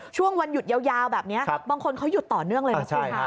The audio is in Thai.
ช่วงวันหยุดยาวแบบนี้บางคนเขาหยุดต่อเนื่องเลยนะคุณค่ะ